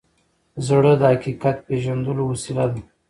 زړه د حقیقت پیژندلو وسیله ده.